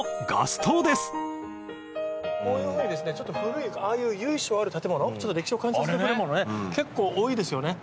こういうふうにちょっと古いああいう由緒ある建物歴史を感じさせてくれるものね結構多いですよね。